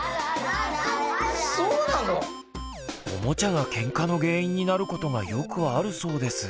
オモチャがケンカの原因になることがよくあるそうです。